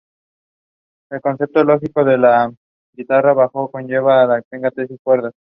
El concepto lógico de una guitarra bajo conlleva que tenga seis cuerdas.